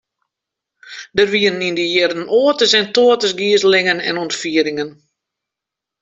Der wiene yn dy jierren oates en toates gizelingen en ûntfieringen.